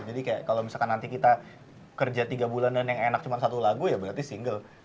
jadi kayak kalau misalkan nanti kita kerja tiga bulan dan yang enak cuma satu lagu ya berarti single